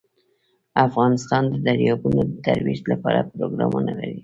افغانستان د دریابونه د ترویج لپاره پروګرامونه لري.